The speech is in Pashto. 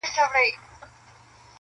يو کال وروسته کلي بدل سوی,